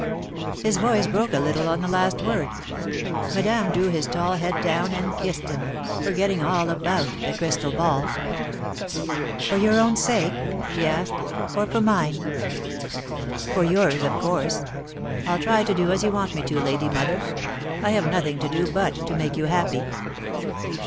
His voice broke a little on the last word. Madame drew his tall head down and kissed him, forgetting all about the crystal ball. "For your own sake?" she asked; "or for mine?" [Sidenote: An Unfair Advantage] "For yours, of course. I'll try to do as you want me to, Lady Mother. I have nothing to do but to make you happy."